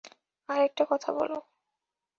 আরেকটা কথা বলো।